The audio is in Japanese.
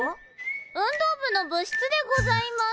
運動部の部室でございます。